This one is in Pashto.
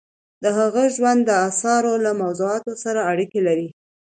د هغه ژوند د اثارو له موضوعاتو سره اړیکه لري.